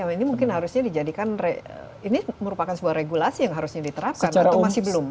ini mungkin harusnya dijadikan ini merupakan sebuah regulasi yang harusnya diterapkan atau masih belum